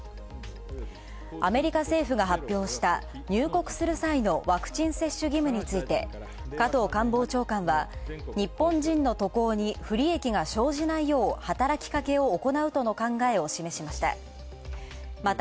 アメリカ政府が発表した入国する際のワクチン接種義務について、加藤官房長官は日本人の渡航に不利益が生じないよう働きかけをおこなうとの考えを示しました。